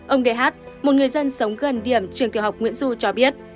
ông dh một người dân sống gần điểm trường tiểu học nguyễn du cho biết